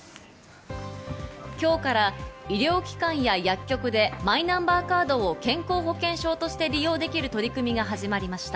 今日から医療機関や薬局でマイナンバーカードを健康保険証として利用できる取り組みが始まりました。